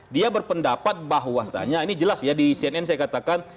dia berpendapat bahwasannya ini jelas ya di cnn saya katakan